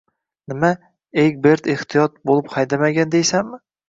Nima, Egbert ehtiyot bo`lib haydamagan deysanmi